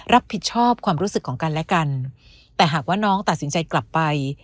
รับผิดชอบความรู้สึกของกันและกันแต่หากว่าน้องตัดสินใจกลับไป